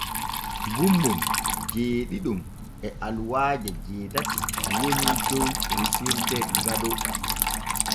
Gommon jeeɗiɗon e aluwaaje jeetati woni dow resirde Gado.